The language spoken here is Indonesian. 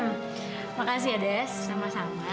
mila makasih ya des sama sama